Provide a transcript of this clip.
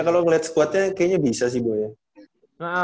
ya kalo ngeliat squadnya kayaknya bisa sih bu ya